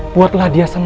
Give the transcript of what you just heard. buatlah dia kecewa